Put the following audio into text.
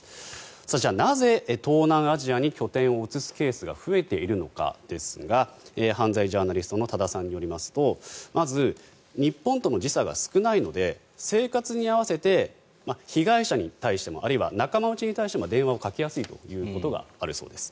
じゃあ、なぜ東南アジアに拠点を移すケースが増えているのかですが犯罪ジャーナリストの多田さんによりますとまず日本との時差が少ないので生活に合わせて被害者に対してもあるいは仲間内に対しても電話をかけやすいということがあるそうです。